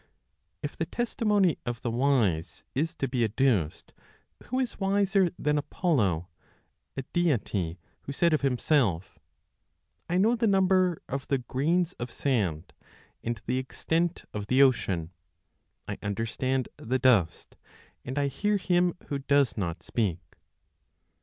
If the testimony of the wise is to be adduced, who is wiser than Apollo, a deity who said of himself, "I know the number of the grains of sand, and the extent of the ocean; I understand the dust, and I hear him who does not speak!"